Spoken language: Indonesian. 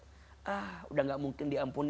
sudah tidak mungkin diampuni